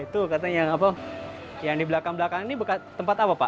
tuh katanya yang apa yang di belakang belakang ini tempat apa pak